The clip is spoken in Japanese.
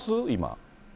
今。